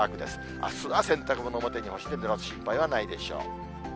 あすは洗濯物も外に干しても心配はないでしょう。